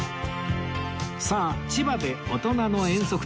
さあ千葉で大人の遠足旅